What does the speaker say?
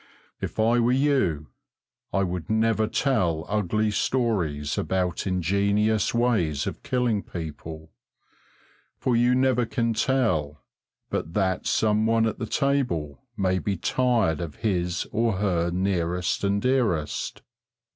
If I were you, I would never tell ugly stories about ingenious ways of killing people, for you never can tell but that some one at the table may be tired of his or her nearest and dearest.